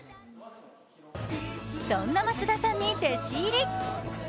そんな増田さんに弟子入り。